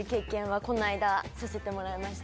この間させてもらいました。